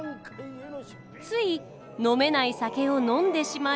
つい飲めない酒を飲んでしまい。